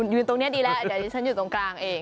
อยู่ตรงนี้แหละจะอยู่ตรงกลางเอง